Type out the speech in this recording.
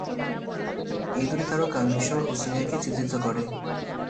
এই দুটি তারকা মিশর ও সিরিয়াকে চিত্রিত করে।